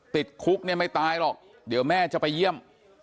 ติดคุกเนี่ยไม่ตายหรอกเดี๋ยวแม่จะไปเยี่ยม